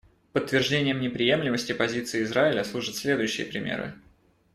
Подтверждением неприемлемости позиции Израиля служат следующие примеры.